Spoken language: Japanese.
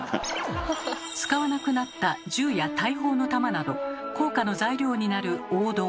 使わなくなった銃や大砲の弾など硬貨の材料になる黄銅